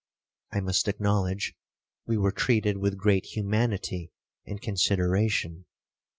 I must acknowledge we were treated with great humanity and consideration.